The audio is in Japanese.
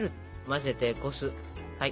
混ぜてこす。